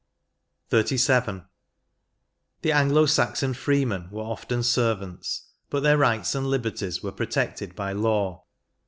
74 XXXVII. The Anglo Saxon freemen were often servants, but their rights and liberties were protected by law.